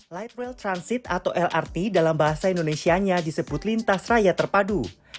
light rail transit atau lrt dalam bahasa indonesia nya disebut lintas raya terpadu